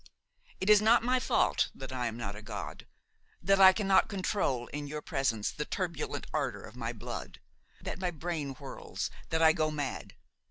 It is not my fault that I am not a god, that I cannot control in your presence the turbulent ardor of my blood, that my brain whirls, that I go mad.